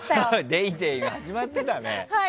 「ＤａｙＤａｙ．」始まってたね。